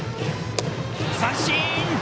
三振！